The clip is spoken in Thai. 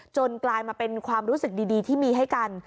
กลายมาเป็นความรู้สึกดีที่มีให้กัน